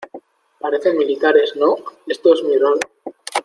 parecen militares, ¿ no? esto es muy raro.